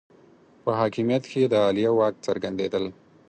په حاکمیت کې د عالیه واک څرګندېدل